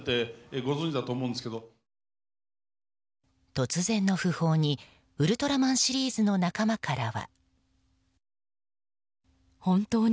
突然の訃報にウルトラマンシリーズの仲間からは。